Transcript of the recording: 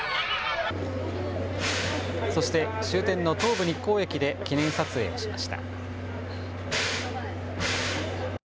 そして終点の東武日光駅で記念撮影をしました。